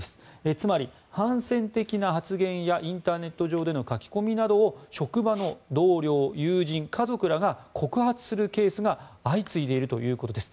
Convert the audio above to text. つまり、反戦的な発言やインターネット上での書き込みなどを職場の同僚、友人、家族らが告発するケースが相次いでいるということです。